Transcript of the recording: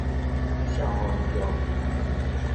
消防局